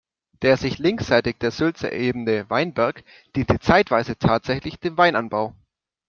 Der sich linksseitig der Sülze erhebende "Weinberg" diente zeitweise tatsächlich dem Weinanbau.